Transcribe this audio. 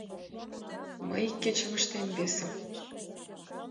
Мый ик кечым ыштем, весым.